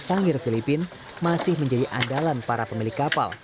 sanggir filipin masih menjadi andalan para pemilik kapal